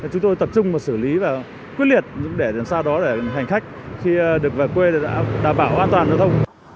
chúng tôi tập trung vào xử lý và quyết liệt để làm sao đó để hành khách khi được về quê đã đảm bảo an toàn giao thông